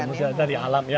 dari mutiara dari alam ya